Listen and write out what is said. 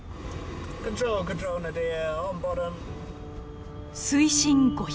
水深５００ｍ。